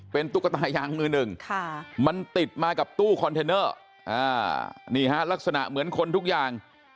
เป็นตุ๊กตายางมือหนึ่งมันติดมากับตู้คอนเทนเนอร์นี่ฮะลักษณะเหมือนคนทุกอย่าง